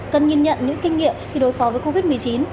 cần nhìn nhận những kinh nghiệm khi đối phó với covid một mươi chín